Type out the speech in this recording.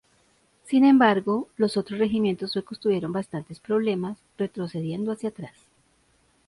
Sin embargo, los otros regimientos suecos tuvieron bastantes problemas, retrocediendo hacia atrás.